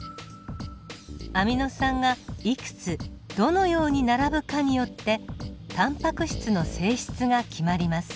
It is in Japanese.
アミノ酸がいくつどのように並ぶかによってタンパク質の性質が決まります。